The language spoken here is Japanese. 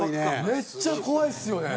めっちゃ怖いですよね。